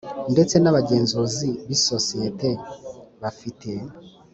Ndetse n abagenzuzi b isosiyete bafite